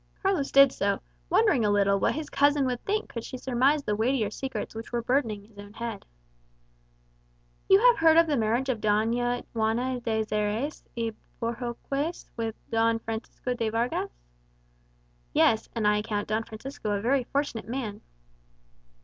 Carlos did so; wondering a little what his cousin would think could she surmise the weightier secrets which were burdening his own heart. "You have heard of the marriage of Doña Juana de Xeres y Bohorques with Don Francisco de Vargas?" "Yes; and I account Don Francisco a very fortunate man."